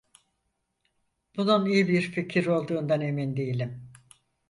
Bunun iyi bir fikir olduğundan emin değilim.